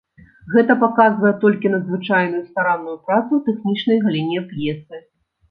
Гэта паказвае толькі надзвычайную старанную працу ў тэхнічнай галіне п'есы.